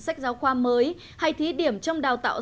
sách giáo khoa mới hay thí điểm trong đào tạo